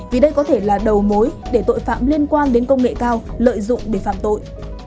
vì đây có thể là đầu mối để tội phạm liên quan đến công nghệ cao lợi dụng để phạm tội